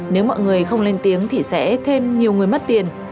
nếu mọi người không lên tiếng thì sẽ thêm nhiều người mất tiền